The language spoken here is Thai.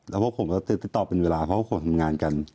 แล้วพวกผมก็ติดต่อเป็นเวลาเขาก็ขอทำงานกัน